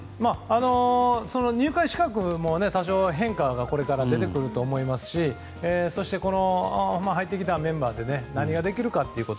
入会資格も多少、変化がこれから出てくると思いますしそして入ってきたメンバーで何ができるかということ。